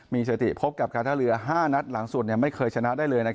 มีเศรษฐีพบกับกาธะเรือ๕นัดหลังส่วนไม่เคยชนะได้เลย